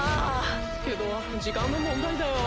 けど時間の問題だよ。